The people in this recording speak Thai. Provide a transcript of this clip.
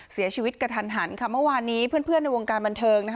เสียชีวิตกระทันหันค่ะเมื่อวานนี้เพื่อนเพื่อนในวงการบันเทิงนะคะ